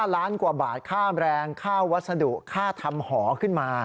ล้านกว่าบาทค่าแรงค่าวัสดุค่าทำหอขึ้นมา